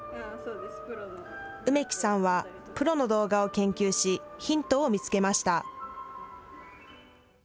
梅木さんはプロの動画を研究しヒントを見つけました。